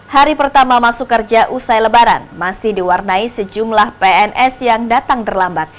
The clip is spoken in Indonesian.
hari pertama masuk kerja usai lebaran masih diwarnai sejumlah pns yang datang terlambat